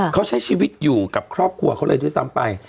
เขาใช้ชีวิตอยู่กับครอบครัวเขาเลยด้วยซ้ำไป